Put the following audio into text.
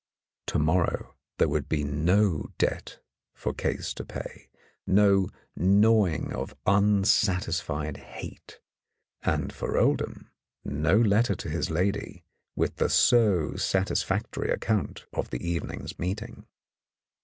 To morrow there would be no debt for Case to pay, no gnawing of unsatisfied hate, and for Oldham no letter to his lady with the so satis factory account of the evening's meeting.